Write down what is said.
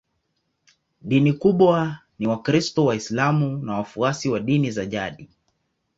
Dini kubwa ni Wakristo, Waislamu na wafuasi wa dini za jadi.